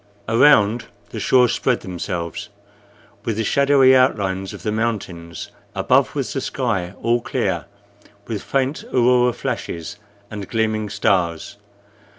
Around the shores spread themselves, with the shadowy outlines of the mountains; above was the sky, all clear, with faint aurora flashes and gleaming stars.